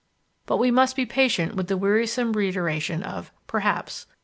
But we must be patient with the wearisome reiteration of "perhaps."